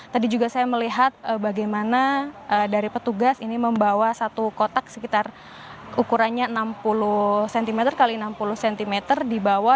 tadi juga saya melihat bagaimana dari petugas ini membawa satu kotak sekitar ukurannya enam puluh cm x enam puluh cm di bawah